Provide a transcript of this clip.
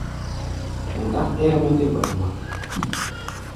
Mɛ dák ɛ́r-mɛ́ tɛ́ gbadua.